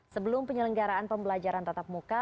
sebelum penyelenggaraan pembelajaran tatap muka